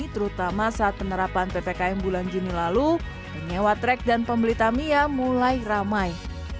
terutama saat penerapan ppkm bulan juni lalu penyewa trek dan pembeli tamiya mulai ramai